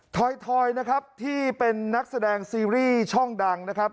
ถอยนะครับที่เป็นนักแสดงซีรีส์ช่องดังนะครับ